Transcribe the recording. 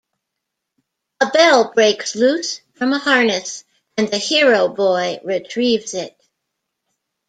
A bell breaks loose from a harness, and the hero boy retrieves it.